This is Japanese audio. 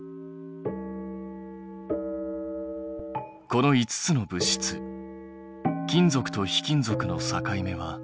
この５つの物質金属と非金属の境目はどこ？